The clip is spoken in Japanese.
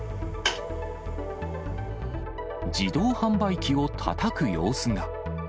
自動販売機をたたく様子が。